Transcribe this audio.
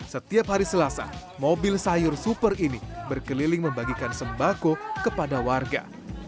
setiap hari selasa mobil sayur super ini berkeliling membagikan sembako kepada warga